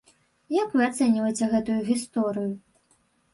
Як вы ацэньваеце гэтую гісторыю?